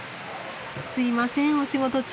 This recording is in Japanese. すいませんお仕事中。